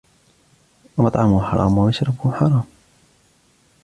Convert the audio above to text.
وَمَطْعَمُهُ حَرَامٌ، وَمَشْرَبُهُ حَرَامِ،